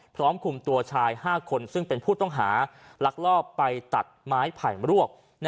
พร้อมคุมตัวชาย๕คนซึ่งเป็นผู้ต้องหาลักลอบไปตัดไม้ไผ่มรวก